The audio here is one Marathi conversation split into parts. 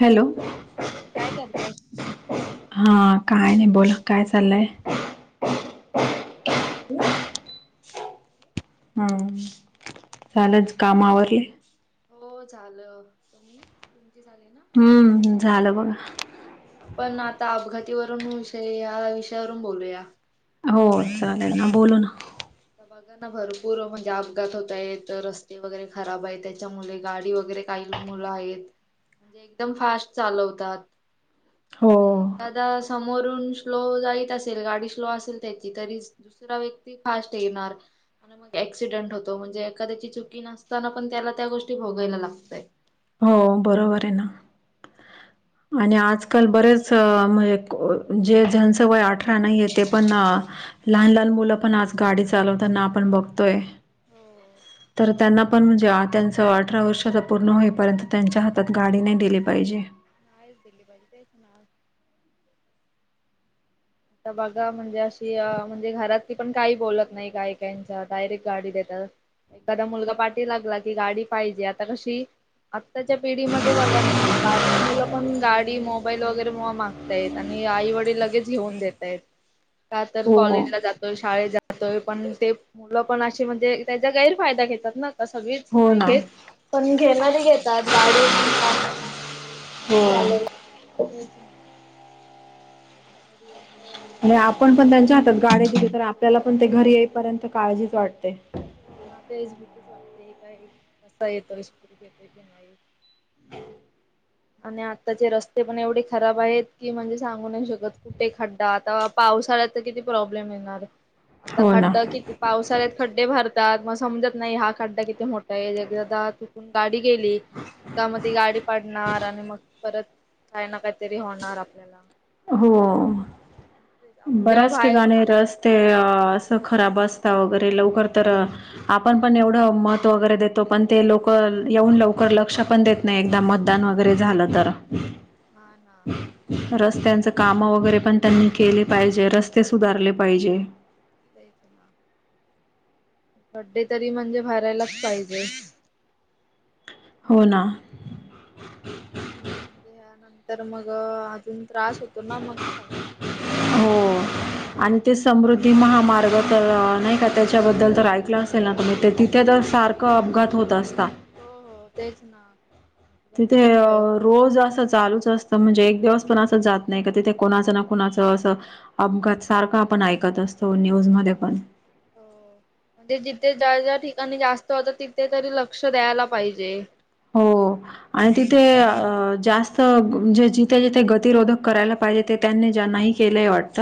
हॅलो! हा काय करताय? हा काय नाही. बोला काय चाललंय? [unintelligible] हम झालंच काम आवरली? हो झालं. झाली ना? हम्म झालं बघा. पण आता अपघातीवरून विषय या विषयावरून बोलूया. हो चालेल ना बोलू ना. ता बघा ना, भरपूर म्हणजे अपघात होत आहेत. रस्ते वगैरे खराब आहेत. त्याच्यामुळे गाडी वगैरे काही मुलं आहेत एकदम फास्ट चालवतात. हो [unintelligible] जर समोरून स्लो जात असेल, गाडी स्लो असेल त्याची, तरी दुसरा व्यक्ती फास्ट येणार. ऍक्सिडेंट होतो म्हणजे एखाद्याची चुकी नसताना पण त्याला त्या गोष्टी भोगायला लागतायत. हो, बरोबर आहे ना. आणि आजकाल बरेच म्हज जे अ जेंचं वय आठ रा नाहीये ते पण अ. लहान लहान मुलं पण आज गाडी चालवताना आपण बघतोय. हो नाहीच तर त्यांना पण, ज्या त्यांच अठरा वर्षाचा पूर्ण होई पर्यंत त्यांच्या हातात गाडी नाही दिली पाहिजे. नाही च दिली पाहिजे. तेच ना. आता बघा म्हणजे अशी अ म्हणजे घरातली पण काही बोलत नाही, काही काहिंच्या डायरेक्ट गाडी देतात. एखादा मुलगा पाठी लागला की, गाडी पाहिजे. आता कशी? आत्ताच्या पिढीमध्ये बघा ना, बारकी मुलं पण गाडी, मोबाईल वगैरे मागतायेत आणि आई वडील लगेच घेऊन देताएत, का तर हो हो कॉलेजला जातोय, शाळेत जा तोय, पण ते मुलं पण अशी म्हणजे त्याचा गैरफायदा घेतात ना. आता सगळीच हो नाही ना घेत, पण घेणारी घेतात. गाडी एकदम फास्ट हो चालवतात. तेच ना. वध्येया [unintelligible] आणि आपण पण त्यांच्या हातात गाडी दिली तर, आपल्याला पण ते घरी येईपर्यंत काळजीच वाटते. हो ना तेच भीतीच वाटते. काय कसा येतोय, सुखरूप येतोय की नाही. हा [inaudible] आणि आत्ताचे रस्ते पण एवढे खराब आहेत. की म्हणजे सांगू नाही शकत. कुठे खड्डा आता पाऊस पावसाळ्यात किती प्रॉब्लेम येणारआय. आता हो ना खड्डा पावसाळ्यात खड्डे भर ताय मग समजत नाही हा खड्डा किती मोठा आहे. एकदा चुकून गाडी गेली. त्या मधी ती गाडी पाडणार. आणि मग परत काय ना काहीतरी होणार आपल्याला. हो तेच आपण जेव्हा बऱ्याच बाहेर ठिकाणी रस्ते असं खराब असता वगैरे लवकर तर. आपण पण एवढं महत्व वगैरे देतो पण ते लोक येऊन लवकर लक्ष पण देत नाही. एकदा मतदान वगैरे झालं तर. हा. ना. रस्त्यांच काम वगैरे पण त्यांनी केले पाहिजे. रस्ते सुधारले पाहिजे. तेच ना. खड्डे तरी म्हणजे भरायलाच पाहिजे. होना. [unintelligible] या नंतर मग अजून त्रास होतो. ना मग सगळ्या ना. हो आणि ते समृद्धी महामार्ग तर. नाही का त्याच्याबद्दल तर ऐकलं असेल ना तुम्ही ते तिथे. तर सारख अपघात होत असतात. हो. हो. तेच ना. तुला तिथे चालूच आहे. रोज असं चालूच असत. म्हणजे एक दिवस पण अस जात नाही. का तिथे कोुणाचं ना कोुणाचं असं अपघात सारखं आपण ऐकत असतो. असतो न्यूज मध्ये पण. हो. म्हणजे जिथे ज्या-ज्या ठिकाणी जास्त होत. तिथे तरी लक्ष द्यायला पाहिजे. हो आणि तिथे आ. जास्त म्हणजे जिथे-जिथे गतिरोधक करायला पाहिजे ते त्यांनी ज्यांना केलंय वाटत?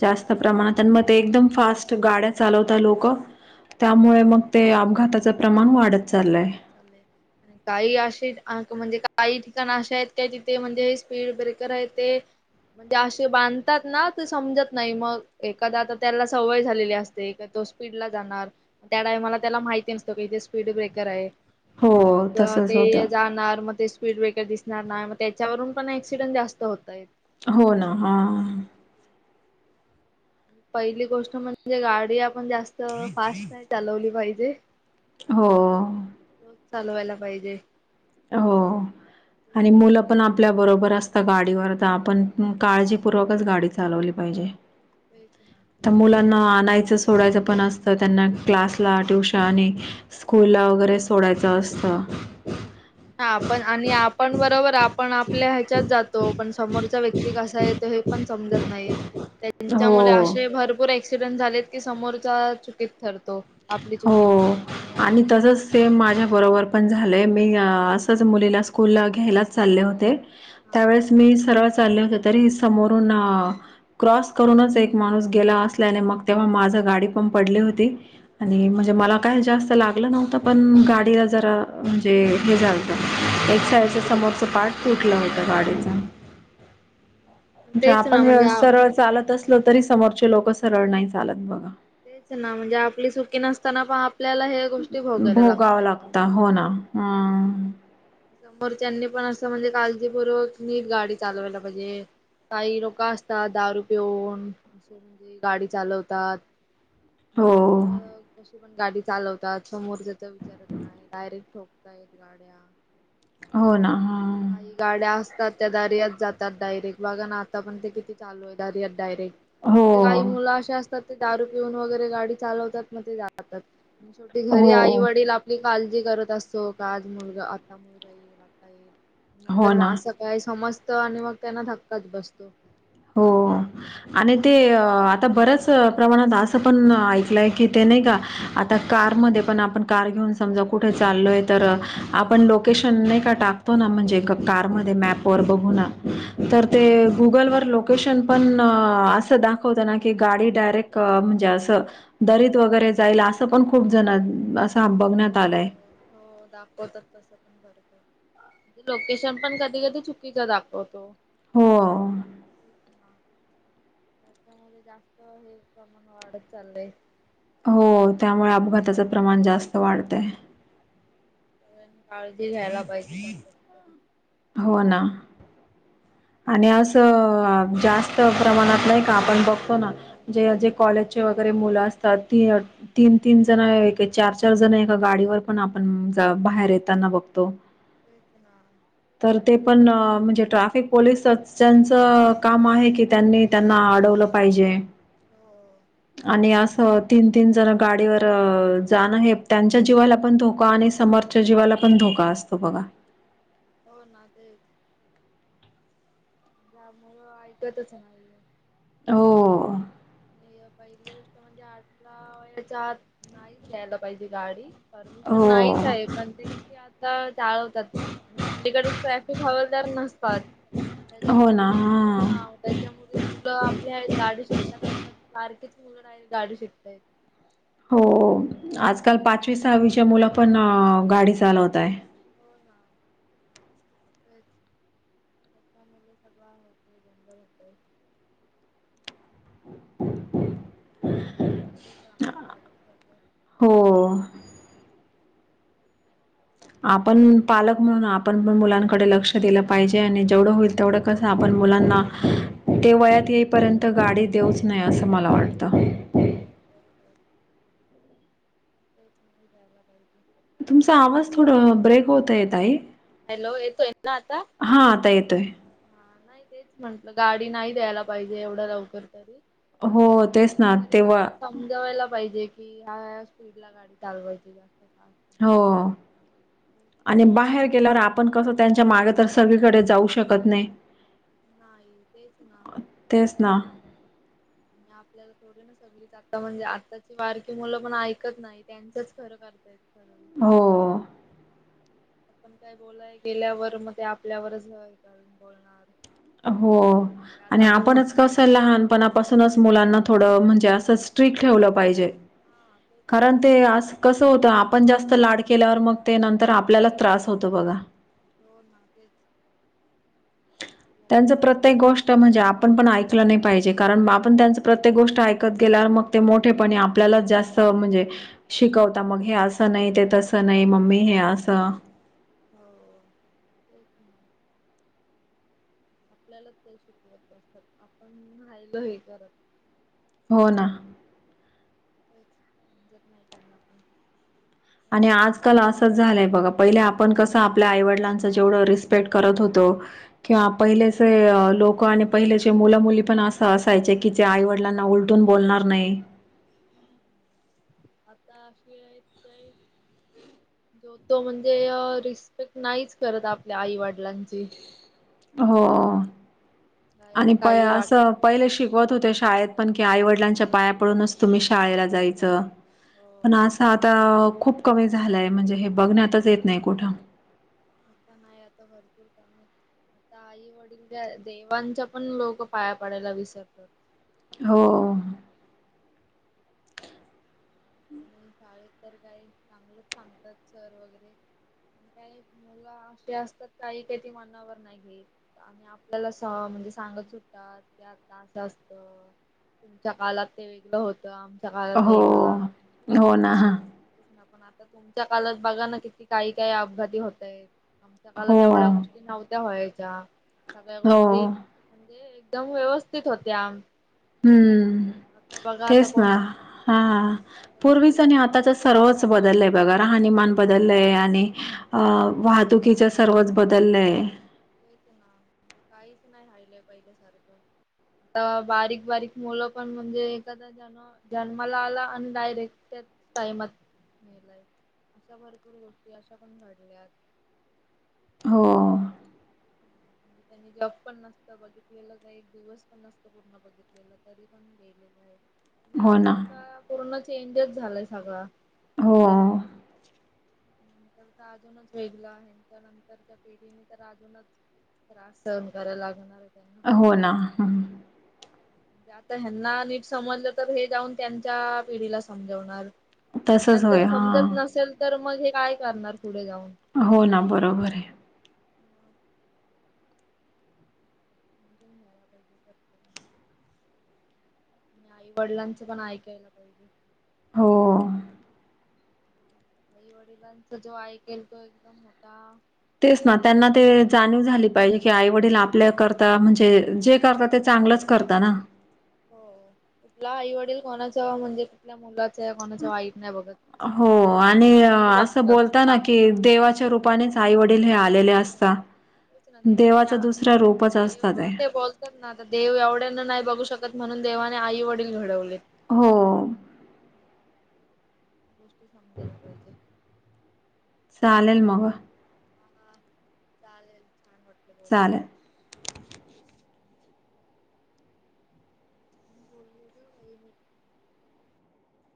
जास्त प्रमाणात आणि मग ते एकदम फास्ट गाड्या चालवतात लोक. हा त्यामुळे मग ते अपघाताचं प्रमाण वाढत. चाललंय. वाढत चालेय. काही असे म्हणजे काही ठिकाण अे आहेत. काय तिथे म्हणजे हे स्पीड ब्रेकर आहे ते. म्हणजे असे बांधतात ना. ते समजत नाही. मग एखादा आता त्याला सवय झालेली असते. स्पीड ला जाणार. त्या मला त्याला माहिती नसते स्ड ब्रेक. कर आहेत. हो मग तसंच ते होतं. जाणार मग ते स्पीड ब्रेकर दिसणार. मग त्याच्यावरून पण ऍक्सिडेंट जास्त होत आहेत. हो ना हा. पहिली गोष्ट म्हणजे. गाडी आपण जास्त फास्ट नाही चालवली पाहिजे. हो. रोज चालवायला पाहिजे. हो तेच आणि ना मुलं पण आपल्या बरोबर अस तात गाडीवर. तर आपण काळजीपूर्वकच गाडी चालवली पाहिजे. तेच ना. आता मुलांना नाहीयचं सोडायचं पण असतं. त्यांना क्लासला, ट्युशन, हो स्कूलला वगैरे सोडायचं. अस्त. हा आपण आणि आपण बरोबर आपण आपल्या ह्याच्यात जातो. पण समोरचा व्यक्ती कसा येतो हे पण समजत नाही. त्यांच्यामुळे हो. असे भरपूर आहेत. ऍक्सिडेंट झालेत की. समोरच्या चुकीत ठरतो. आपली चुकी हो नसताना. आणि तसच सेम माझ्या बरोबर पण झालंय. मी असंच मुलीला स्कूल घ्यायलाच चालले होते. हा. त्यावेळेस मी सर्वच. चाले होते. तरी समोरुन क्रॉस करूनच एक माणूस गेला असल्याने. मग तेव्हा माझ गाडी पण पडली होती. आणि म्हणजे मला काय जास्त लागलं नव्हतं पण. गाडीला जरा म्हणजे हे झालत. एक साईडच समोरचं पाठ तुटलं होतं गाडीचा. म्हणजे तेच ना आपण म्हणजे सरळ चालत असलो. तरी समोरचे लोक सरळ नाही चालत बघा. तेच ना. म्हणजे आपली सुखी नसताना पण आप भोगावं लागत. हो ना हम्. समोरच्यानी पण असं म्हणजे काळजीपूर्वक नीट गाडी चालवायला पाहिजे. काही लोक असतात. दारू पिऊन असे म्हणजे गाडी चालवतात. हो मग कशी पण गाडी चालवतात. समोरच विचारत नाही डायरेक्ट ठोक ताईत गाड्या. हो ना. काही हा गाड्या असतात त्या दारियातात जातात डायरेक्ट. बघा आताण किती चालू आहे दरित डायरेक्ट. म्हणजे हो काही मुलं अे असतात. की दारू पिऊन वगैरे गाडी चालवतात मग ते जातात. छोटी घरी हो आई-वडील आपली काळजी करत असतो. का आज मुलगा आता मुलगा येईल. आता येईल. हो नंतर मग ना. असं काय समजत. आणि मग त्यांना धक्काच बसतो. हो आणि ते. आता बरच प्रमाणात असं पण ऐकलंय की ते नई का. कारमध्ये आपन कार घेऊन समजा कुट चालोय. आपण लोकेशन. नाही का टाकतो ना. म्हणजे का हा कार मध्ये मॅप वर बघून. तर ते हा गुगल वर लोक लोकेशन पण अस दाखवत ना. की गाडी डायरेक्ट म्हणजे अस दरीत वगैरे. जायला असं पण खूप जण. हो असा बघण्यात आलाय. हो दाखवतात तसं पण [inaudible] लोकेशन पण कधी-कधी चुकीच दाखवतो. हो. त्याच्यामध्ये जास्त हे प्रमाण वाढत चाललंय. हो त्यामुळे अपघाताचं प्रमाण जास्त वाढतय. सगळ्यांनी काळजी घ्यायला पाहिजे. स्वतःची तरी. हो ना. आणि अस जास्त प्रमाणात नाही, का आपण बघतो नाे कॉलेज मुल असतात, तीन तीन जण चार चार जण ए गाडीवर पण आपण बाहेर येताना बघतो, तेच ना तर ते पण पोलिस ज्यांचं काम आहे, की त्यांनी त्यांना अडवलं पाहिजे. हो आणि आस, तीन तीन जण गाडीवर जाणं हे, त्यांच्या जीवाला आपण धोका आणि समोरच्या जीवाला, आपण धोका असतो बघा. हो ना तेच, जा मुळ ऐकतच नाही, हो पहिली गोष्ट म्हणजे आठला वयाच्या आत नाही द्यायला, पाहिजे गाडी. परमिशन हो नाहीच आहे, पण ते कसे आता चालवतात. अलीकडे ट्रॅफिक हवालदार नसतात. त्याच्या हो मु ना हा क त्याच्या मु मुलं आपल्या आहेत गाडी शकताना. बारकीच मुलं आत गाडी शिकतात. हो आजकाल पाचवी सहावीच्या, मुला पण गाडी चालवतय. हो तेच, त्याली सगव होते, [unintelligible] वरतून काम वाढत जाता, हो आपण पालक म्हणून, आपण पण मुलांकडे लक्ष दिलं. पाहिजे आणि जेवढं होईल तेवढं कसं आपण मुलांना ते वयात येईपर्यंत गाडी देऊच नाही, असं मला वाटत. हो [unintelligible] तुमचा आवाज थोड ब्रेक होत ताई. हॅलो तो एनाता? हा आता येतोय नाही तेच म्हंटलं गाडी नाही द्यायला. पाहिजे एवढं लवकर तरी, हो आणि तेच ना कतरी तेव्हा त्यांना समजवायला पाहिजे. कि हा स्पीड ला गाडी चालवायची का? हो आणि बाहेर, केल्यावर आपण कस त्यांच्या मागे तर, सगळीकडे जाऊ शकत नाही. नाही तेच ना तेच ना आणि आपल्याला थोडी न? सग आता म्हणजे आताची वारकी मुलं पण ऐकत नाही, त्यांचच खरं करताय. हो, आपण काय बोलाय गेल्यावर मग ते आपल्यावरच का बोलणार, हो आणि आता मी मोठ आपणच कसं लहानपणापासूनच मुलांना थोडं म्हणजे असं स्ट्रीिक ठेवलं. पाहिजे हा तेच कारण ना ते असज कसं होतं आपण जास्त लाड केल्यावर, मग ते नंतर आपल्याला त्रास होतो बघा. हो ना तेच, आपल्याला त्यांच त्रास प्रत्येक गोष्ट म्हणजे, ण पण ऐकलं नाही, पाहिजे कारण आपण त्यांच प्रत्येक, गोष्ट ऐकत गेल्या मग ते मोठेपणे आपल्याला जास्त म्हणजे शिकवता, मग हे असं नाही ते तसं नाही मम्मी हे असं. हो तेच, [unintelligible] आपल्यालाच ते शिकवत बसतात आपण राहिलो हे करत. हो ना तेच समजत नाही त्यांना पण, आणि आपण आधी आजकाल असंच, झालंय बघा पहिले आपण कसं आपल्या आईवड वाढलाच जेवढ रिस्पेक्ट करत होतो, किंवा पाहिलं असं लोक आणि पहिले ची मुलं, मुली पण असं असायचे की, जे आईवडलांना उलटून बोलणार नाही. आता अशी आहेत काय, जो तो म्हणजे रिस्पेक्ट नाहीच, करत आपल्या आई वडिलांची. हो आणि डायरेक्ट प काही वाट असं पहिले शिक शवत होत्या शाळेत पण की आई वडिलांच्या पाया पडूनच तुम्ही शाळेला जायचं पण हो. असं आता खूप कमी झालाय म्हणजे हे बघण्यातच येत नाही कुठं असता नाही आता भरपूर कमी आता आई वडीलच्या देवांच्या पण लोक पाया पाडायला विसरतात हो आणि शाळेत तर काही चांगलंच सांगतात सर वगैरे का मुलं अशी असतात काही काही त मानावर नाही घेल आणि आपल्याला स म्हणजे सांगत सुटतात की आता असं असत तुमच्या कालाात ते वेगळ होत आमचा आळात हो वेगळा हो ना ह पण आता तुमच्या कालात बघा ना किती काही काही अपघाती होत आहेत आमच्या हो काळात एवढ्या गोष्टी नव्हत्या व्हायच्या सगळ्या हो गोष्टी एकदम व्यवस्थित होते आम हम्म तेच ना कोण कोण हा पूर्वीच रस्ते आणि वगैरे आताच सर्वच बदल बघा राहानमान बदललय आणि अ वाहतुकीच सर्वच बदललय हेच नाज काहीच नाही हालय पहिल्या सारखं आता बारीक बारीक मुलं पण म्हणजे एखादा ज जन्माला आला आणि डायरेक्ट म अशा भरपूर गोष्टी अशा पण घडल्यात ह हो ह त्यांनी जॉब पण नसत बघितलेलं का एक दिवस पण नसत पूर्ण बघितलेलं तरी पण गेलेलं आहे हो ना आत्ताचा पूर्ण चेंजच झालाय सगळं हो नंतर तर अजूनच वेगळ आहे तर नंतरच्या पिढीने तर अजूनच त्रास सहन करायला लागणार आहे त्यांना. हो ना ह आता ह्यांना नीट समजलं तर हे जाऊन त्यांच्या पिढीला समजवणार ना तसच होय जर हा समजत नसेल तर मग हे काय करणार पुढे जाऊन. हो ना बरोबर आहे समजून घ्यायला पाहिजे म आई वडिलांचं पण ऐकायला पाहिजे हो आई वडिलांचा जो ऐकेल तो एकदम मोठा तेच ना त्यांना ते सार जाणीव होता. झाली पाहिजे की आ डील आपल्या करता म्हणजे जे करता ते चांगलंच करता ना हो कुठला आई वडील कोणाच म्हणजे कुठल्या मुला हो आणि चांगलीच असं बघतात आणि बोलता ना चांग कि देवाच्या रूपानेच आईवड वडील हे आलेले असत तेच ना देव आणि देव हा ते बोलतात ना आता देव एवढ्यांना नाही बघू शकत म्हणून देवाने आई वडील घडवले हो गोष्टी समजायला पाहिजे सालेल मग हा चालेल छान वाटल बोलून चालेल. गर वहिन